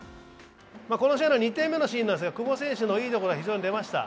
この試合の２点目のシーンですが久保選手のいいところが出ました。